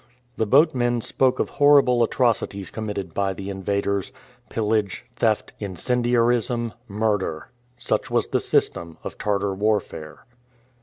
The boatmen spoke of horrible atrocities committed by the invaders pillage, theft, incendiarism, murder. Such was the system of Tartar warfare.